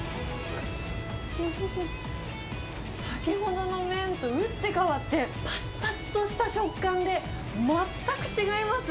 先ほどの麺と打って変わって、ぱつぱつとした食感で、全く違います。